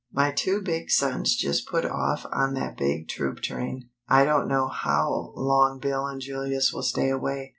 My two big sons just put off on that big troop train. I don't know how long Bill and Julius will stay away.